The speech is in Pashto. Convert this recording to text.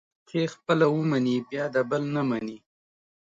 احمد چې خپله و مني بیا د بل نه مني.